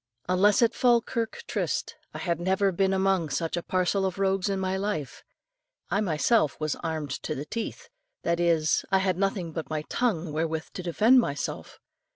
Unless at Falkirk tryst, I had never been among such a parcel of rogues in my life. I myself was armed to the teeth: that is, I had nothing but my tongue wherewith to defend myself.